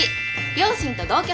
両親と同居？